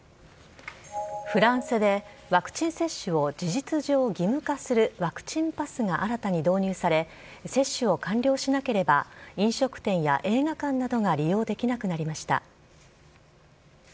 フランスでワクチン接種を事実上義務化するワクチンパスが新たに導入され、接種を完了しなければ飲食店や映画館などが利用できなくなりました。